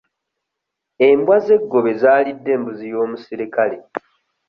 Embwa z'eggobe zaalidde embuzi y'omusirikale.